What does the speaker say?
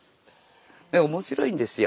面白いんですよ